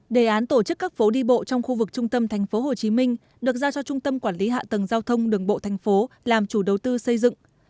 đề án tổ chức các phố đi bộ trong khu vực trung tâm tp hcm được giao cho trung tâm quản lý hạ tầng giao thông đường bộ tp hcm làm chủ đầu tư xây dựng